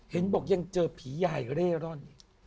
เห็นบอกยังเจอผียายเร่ร่อน